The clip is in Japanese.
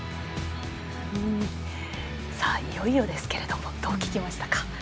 いよいよですけれどもどう聞きましたか？